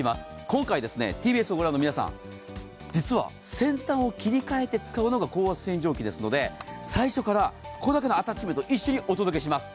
今回、ＴＢＳを御覧の皆さん、実は先端を切り替えて使うのが高圧洗浄機ですので最初からこれだけのアタッチメント、一緒にお届けします。